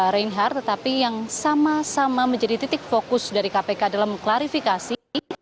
reinhard tetapi yang sama sama menjadi titik fokus dari kpk dalam klarifikasi